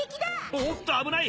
おっと危ない！